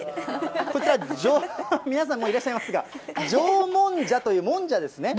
こちら、皆さんもういらっしゃいますが、縄文じゃというもんじゃですね。